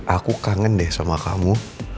aku kangen deh sama kamu